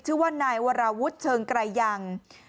ชื่อว่านายวราวุฒิเชิงไกรยัง